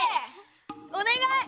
おねがい！